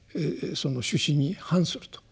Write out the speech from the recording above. その趣旨に反すると。